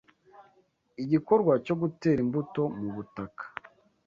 Igikorwa cyo gutera imbuto mu butaka